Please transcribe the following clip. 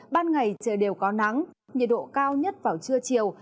ban ngày trời đều có nắng nhiệt độ cao nhất vào trưa chiều